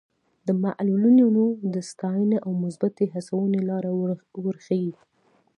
د معلولینو د ستاینې او مثبتې هڅونې لاره ورښيي.